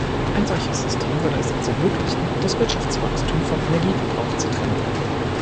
Ein solches System würde es uns ermöglichen, das Wirtschaftswachstum vom Energieverbrauch zu trennen.